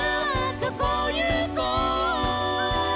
「どこ行こう？」